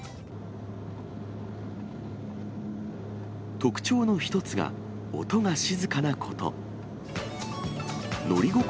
特徴の一つが、音が静かなこと。